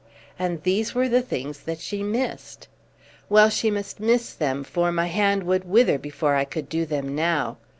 And these were the things that she missed! Well, she must miss them, for my hand would wither before I could do them now.